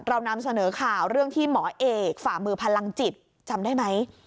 เรานำเสนอข่าวเรื่องที่หมอเอกฝ่ามือพลังจิตจำได้ไหม